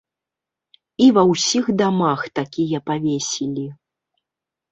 І ва ўсіх дамах такія павесілі.